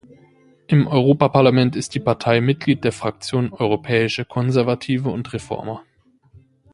Im Europaparlament ist die Partei Mitglied der Fraktion Europäische Konservative und Reformer.